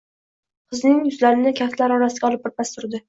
Qizning yuzlarini kaftlari orasiga olib birpas turdi